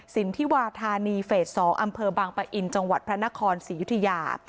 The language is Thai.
สินทิวาธานีเฟส๒อำเภอบางปะอินจังหวัดพระนครศรียุธยา